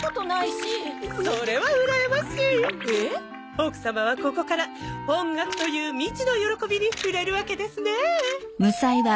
奥様はここから音楽という未知の喜びに触れるわけですね！